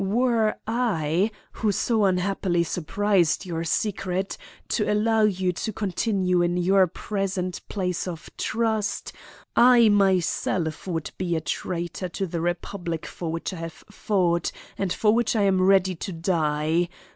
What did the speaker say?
Were I, who so unhappily surprised your secret, to allow you to continue in your present place of trust, I myself would be a traitor to the republic for which I have fought and for which I am ready to die.